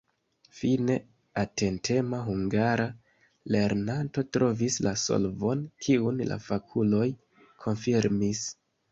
Fine atentema hungara lernanto trovis la solvon, kiun la fakuloj konfirmis.